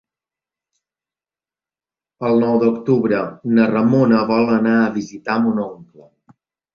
El nou d'octubre na Ramona vol anar a visitar mon oncle.